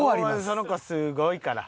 その子すごいから。